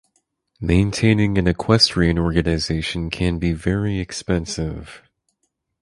Maintaining an equestrian organization can be very expensive.